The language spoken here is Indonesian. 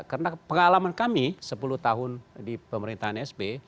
karena pengalaman kami sepuluh tahun di pemerintahan sp